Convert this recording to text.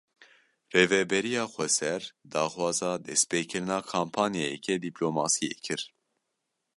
Rêveberiya Xweser daxwaza destpêkirina kampanyayeke dîplomasiyê kir.